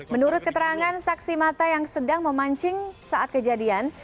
menurut keterangan saksi mata yang sedang memancing saat kejadian